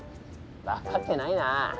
分かってないな。